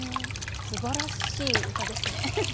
すばらしい歌ですね。